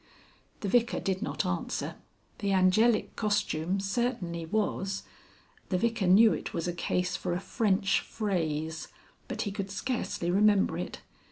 The Vicar did not answer. The angelic costume certainly was the Vicar knew it was a case for a French phrase but he could scarcely remember it.